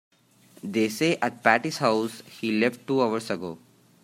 They say at Patti's house he left two hours ago.